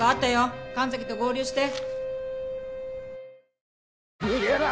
神崎と合流して。